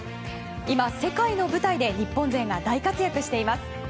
今、世界の舞台で日本勢が大活躍しています。